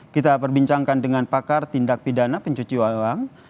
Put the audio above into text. kita perbincangkan dengan pakar tindak pidana pencucian uang